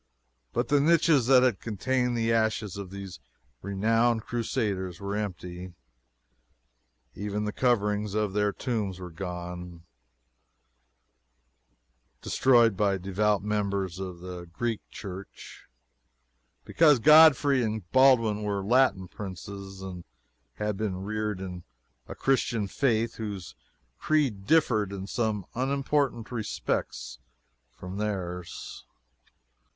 But the niches that had contained the ashes of these renowned crusaders were empty. Even the coverings of their tombs were gone destroyed by devout members of the Greek Church, because Godfrey and Baldwin were Latin princes, and had been reared in a Christian faith whose creed differed in some unimportant respects from theirs.